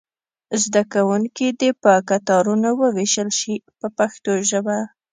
زده کوونکي دې په کتارونو وویشل شي په پښتو ژبه.